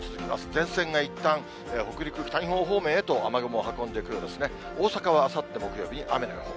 前線がいったん、北陸、北日本方面へと雨雲を運んでくる、大阪はあさって木曜日に雨の予報。